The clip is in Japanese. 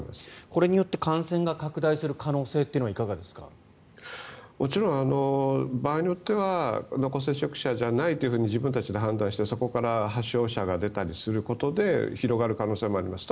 これによって感染が拡大する可能性というのはもちろん場合によっては濃厚接触者じゃないと自分たちで判断してそこから発症者が出たりすることで広がる可能性もあります。